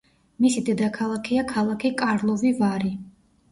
მისი დედაქალაქია ქალაქი კარლოვი-ვარი.